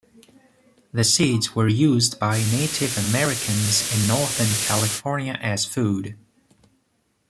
The seeds were used by Native Americans in Northern California as food.